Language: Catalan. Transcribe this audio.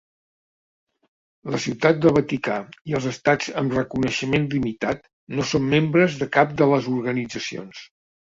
La Ciutat del Vaticà i els estats amb reconeixement limitat no són membres de cap de les organitzacions.